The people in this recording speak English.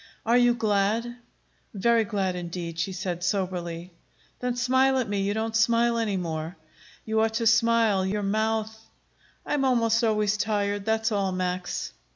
"Are you glad?" "Very glad, indeed," she said soberly. "Then smile at me. You don't smile any more. You ought to smile; your mouth " "I am almost always tired; that's all, Max."